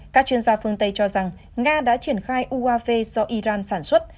các chuyên gia phương tây cho rằng nga đã triển khai uafe do iran sản xuất